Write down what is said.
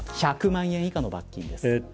１００万円以下の罰金です。